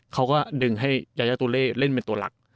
เขาก็ดึงให้ยายาตุเล่เล่นเป็นตัวหลัก